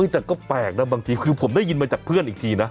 แต่ก็แปลกนะบางทีคือผมได้ยินมาจากเพื่อนอีกทีนะ